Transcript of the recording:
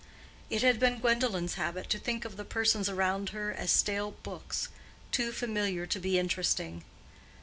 It had been Gwendolen's habit to think of the persons around her as stale books, too familiar to be interesting.